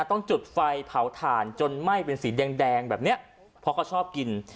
ต้องจุดไฟเผาถ่านจนไหม้เป็นสีแดงว่าเชียวชอบกิน